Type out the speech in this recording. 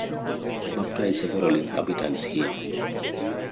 He baptized several inhabitants here.